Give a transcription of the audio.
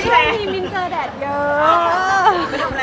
ช่วยช่วยมิ้นต์เจอแดดเยอะ